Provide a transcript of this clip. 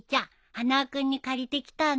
花輪君に借りてきたんだ。